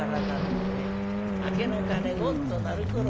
『明けの鐘ごんと鳴るころ